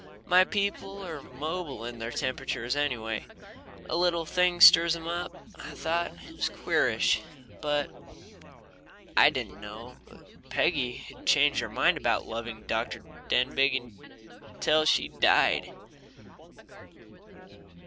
My people are mobile in their temperatures, anyway a little thing stirs them up. I thought it was queerish, but I didn't know but Peggy had changed her mind about loving Dr. Denbigh till she died.